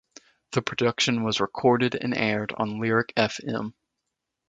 The production was recorded and aired on Lyric Fm.